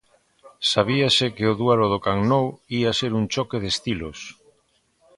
Sabíase que o duelo do Camp Nou ía ser un choque de estilos.